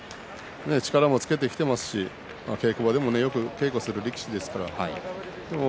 力もつけてきていますし稽古場でもよく稽古する力士ですから。